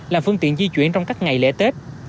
là phương tiện di chuyển trong các ngày lễ tết